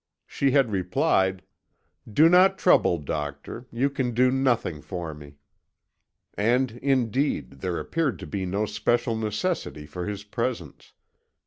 She had replied: "'Do not trouble, doctor; you can do nothing for me.' "And, indeed, there appeared to be no special necessity for his presence.